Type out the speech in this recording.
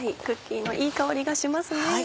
クッキーのいい香りがしますね。